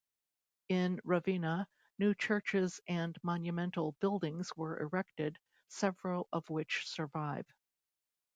In Ravenna, new churches and monumental buildings were erected, several of which survive.